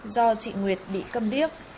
do chị nguyệt bị cầm điếc